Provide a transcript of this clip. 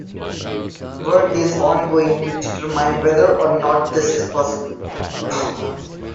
Work is ongoing to determine whether or not this is possible.